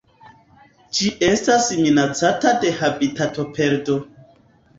Ĝi estas minacata de habitatoperdo.